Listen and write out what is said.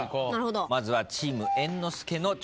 まずはチーム猿之助の挑戦です。